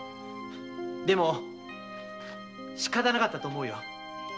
でもしかたなかったと思うよ。